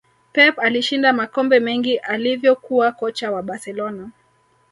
pep alishinda makombe mengi alivyokuwa kocha wa barcelona